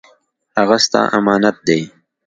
هغه ستا امانت دی